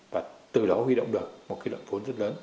và từ đó huy động được một cái lượng vốn rất lớn